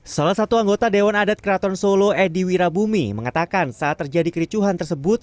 salah satu anggota dewan adat keraton solo edi wirabumi mengatakan saat terjadi kericuhan tersebut